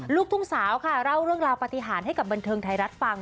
ลูกทุ่งสาวค่ะเล่าเรื่องราวปฏิหารให้กับบันเทิงไทยรัฐฟัง